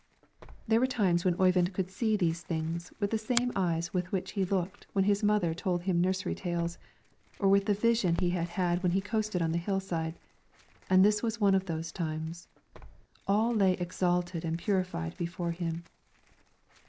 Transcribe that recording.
There were times when Oyvind could see these things with the same eyes with which he looked when his mother told him nursery tales, or with the vision he had when he coasted on the hill side, and this was one of those times, all lay exalted and purified before him.